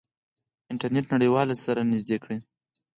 انټرنیټ نړیوال سره نزدې کړل.